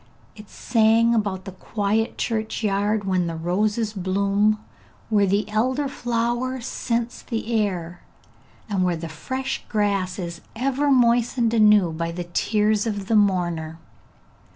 It sang about the quiet churchyard, when the roses bloom, where the elder flower scents the air, and where the fresh grass is ever moistened anew by the tears of the mourner.